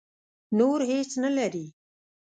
نور هېڅ نه لري.